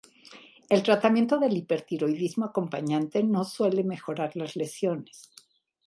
El tratamiento del hipertiroidismo acompañante no suele mejorar las lesiones.